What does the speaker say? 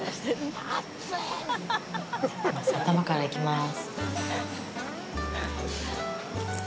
まず、頭からいきます。